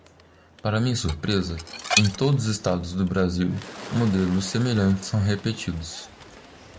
Para minha surpresa, em todos os estados do Brasil, modelos semelhantes são repetidos.